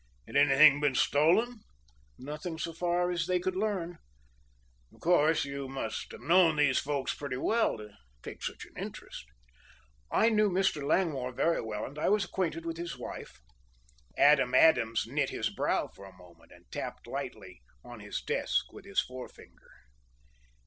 "Had anything been stolen?" "Nothing, so far as they could learn." "Of course, you must have known these folks pretty well to take such an interest." "I knew Mr. Langmore very well and I was acquainted with his wife." Adam Adams knit his brow for a moment and tapped lightly on his desk with his forefinger.